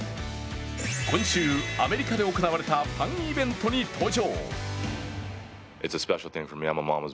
今週、アメリカで行われたファンイベントに登場。